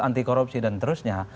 anti korupsi dan terusnya